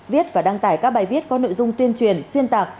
viết và đăng tải các bài viết có nội dung tuyên truyền xuyên tạc